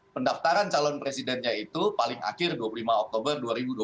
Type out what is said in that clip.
pendaftaran calon presidennya itu paling akhir dua puluh lima oktober dua ribu dua puluh